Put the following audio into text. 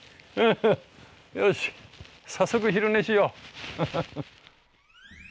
よし早速昼寝しよう。